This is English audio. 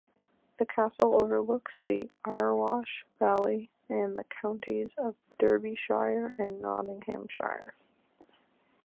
The castle overlooks the Erewash valley and the counties of Derbyshire and Nottinghamshire.